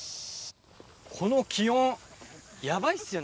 この気温、やばいっすよね。